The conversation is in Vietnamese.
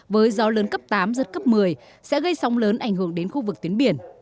với gió lớn cấp tám giật cấp một mươi sẽ gây sóng lớn ảnh hưởng đến khu vực tuyến biển